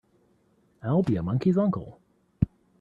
I'll be a monkey's uncle!